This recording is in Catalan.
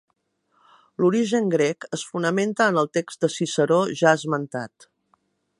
L'origen grec es fonamenta en el text de Ciceró ja esmentat.